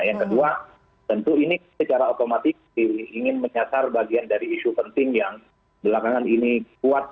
yang kedua tentu ini secara otomatis ingin menyasar bagian dari isu penting yang belakangan ini kuat